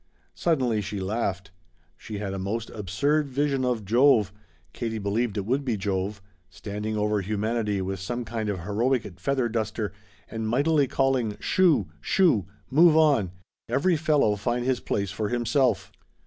Suddenly she laughed. She had a most absurd vision of Jove Katie believed it would be Jove standing over humanity with some kind of heroic feather duster and mightily calling "Shoo! Shoo! Move on! Every fellow find his place for himself!"